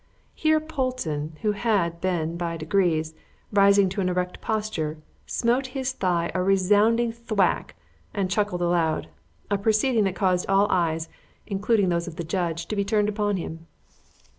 Here Polton, who had been, by degrees, rising to an erect posture, smote his thigh a resounding thwack and chuckled aloud, a proceeding that caused all eyes, including those of the judge, to be turned on him.